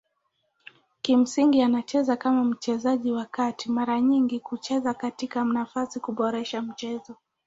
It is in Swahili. Kimsingi anacheza kama mchezaji wa kati mara nyingi kucheza katika nafasi kuboresha mchezo.